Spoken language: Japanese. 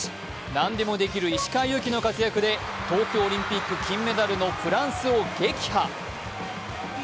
何でもできる石川祐希の活躍で東京オリンピック金メダルのフランスを撃破。